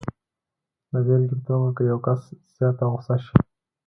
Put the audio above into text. د بېلګې په توګه که یو کس زیات غسه شي